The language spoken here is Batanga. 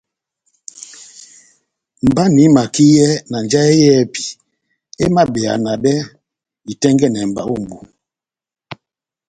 Mba nahimakiyɛ na njahɛ yɛ́hɛpi emabeyabɛ itɛ́ngɛ́nɛ mba ó mbu